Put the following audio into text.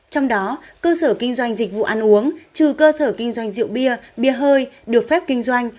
trong đó cơ sở kinh doanh dịch vụ ăn uống trừ cơ sở kinh doanh rượu bia bia hơi được phép kinh doanh